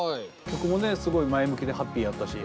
曲もねすごい前向きでハッピーやったし。